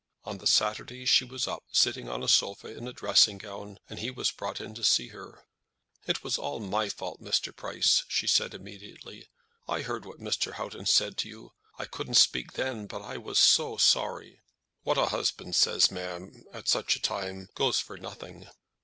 On the Saturday she was up, sitting on a sofa in a dressing gown, and he was brought in to see her. "It was all my fault, Mr. Price," she said immediately. "I heard what Mr. Houghton said to you; I couldn't speak then, but I was so sorry." "What a husband says, ma'am, at such a time, goes for nothing."